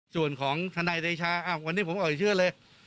ส่วนของทนายเดชาวันนี้ผมออกชื่อเลย